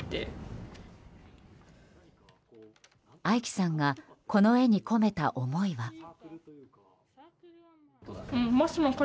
アイキさんがこの絵に込めた思いは。